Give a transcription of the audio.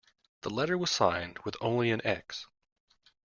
The letter was signed with only an X.